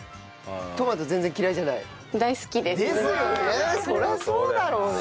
トマト全然嫌いじゃない？ですよね！